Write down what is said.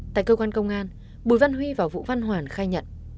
tại cơ quan công an bùi văn huy vào vụ văn hoàn khai nhận